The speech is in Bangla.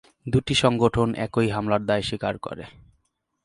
দুটি সংগঠন এই হামলার দায় স্বীকার করে।